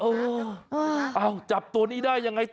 เอ้าจับตัวนี้ได้ยังไงต่อ